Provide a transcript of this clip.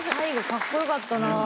かっこよかった。